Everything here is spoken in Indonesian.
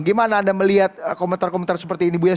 gimana anda melihat komentar komentar seperti ini bu yaya